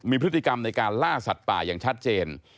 มีพฤติกรรมในการล่าสัตว์ป่าอย่างชัดเจน